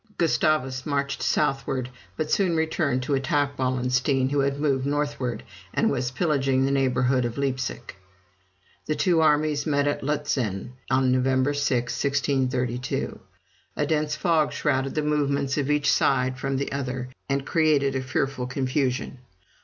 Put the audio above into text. Gustavus marched southward, but soon returned to attack Wallenstein, who had moved northward, and was pillaging the neighborhood of Leipsic. The two armies met at Lutzen on November 6, 1632. A dense fog shrouded the movements of each side from the other, and created a fearful confusion.